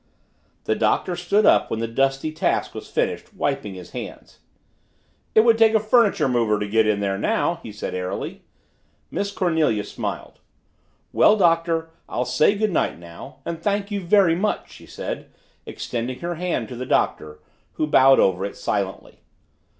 The Doctor stood up when the dusty task was finished, wiping his hands. "It would take a furniture mover to get in there now!" he said airily. Miss Cornelia smiled. "Well, Doctor I'll say good night now and thank you very much," she said, extending her hand to the Doctor, who bowed over it silently.